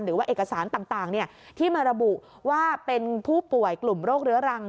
หรือว่าเอกสารต่างที่มาระบุว่าเป็นผู้ป่วยกลุ่มโรคเรื้อรัง